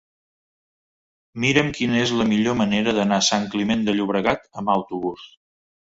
Mira'm quina és la millor manera d'anar a Sant Climent de Llobregat amb autobús.